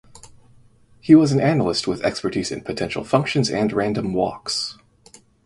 He was an analyst with expertise in potential functions and random walks.